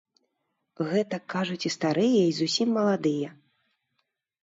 Гэтак кажуць і старыя й зусім маладыя.